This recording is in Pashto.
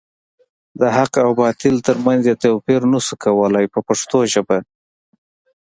د حق او باطل تر منځ یې توپیر نشو کولای په پښتو ژبه.